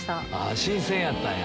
新鮮やったんや。